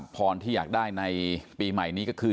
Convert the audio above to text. พรที่อยากได้ในปีใหม่นี้ก็คือ